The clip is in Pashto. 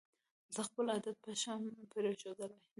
زه خپل عادت پشم پرېښودلې